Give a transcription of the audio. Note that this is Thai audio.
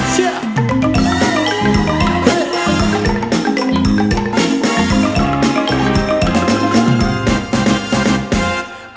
เชี๊ยะ